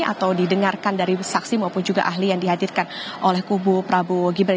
atau didengarkan dari saksi maupun juga ahli yang dihadirkan oleh kubu prabowo gibran